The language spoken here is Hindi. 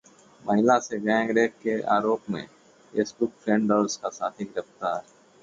महिला से गैंगरेप के आरोप में फेसबुक फ्रेंड और उसका साथी गिरफ्तार